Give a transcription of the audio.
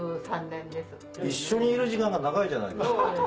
一緒にいる時間が長いじゃないですか。